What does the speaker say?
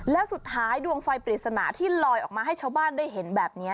แล้วสุดท้ายดวงไฟปริศนาที่ลอยออกมาให้ชาวบ้านได้เห็นแบบนี้